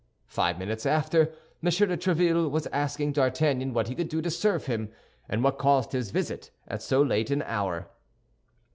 Five minutes after, M. de Tréville was asking D'Artagnan what he could do to serve him, and what caused his visit at so late an hour.